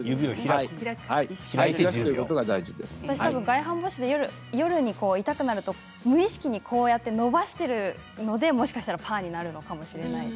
外反母趾でより痛くなると無意識に、このようにして伸ばしているのでもしかしたらパーになるのかもしれません。